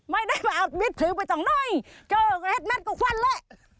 ไม่ได้มาเอาบิ๊ดถือไปตรงน้อยเจอเห็ดแม่นก็ควันเลย